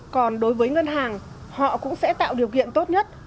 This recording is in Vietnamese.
còn đối với ngân hàng họ cũng sẽ tạo điều kiện tốt nhất